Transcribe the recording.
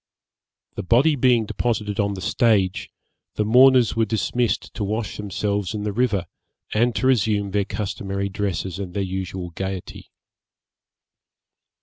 The body being deposited on the stage, the mourners were dismissed to wash themselves in the river, and to resume their customary dresses and their usual gaiety.